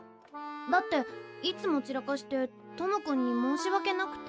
だっていつも散らかして友くんに申し訳なくて。